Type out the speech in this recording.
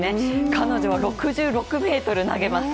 彼女は６６ｍ投げます。